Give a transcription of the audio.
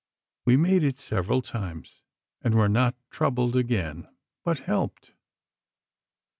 We made it several times, and were not troubled again, but helped.